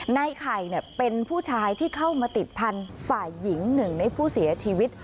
ในไข่เป็นผู้ชายที่เข้ามาติดพันธุ์ฝ่ายหญิงหนึ่งในผู้เสียชีวิต